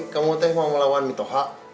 kamu mau melawan mitoha